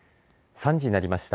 ３時になりました。